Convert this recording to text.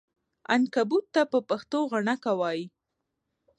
عنکبوت ته په پښتو غڼکه وایې!